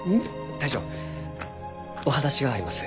大将お話があります。